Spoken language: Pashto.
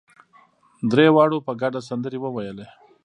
درېواړو په ګډه سندرې وويلې.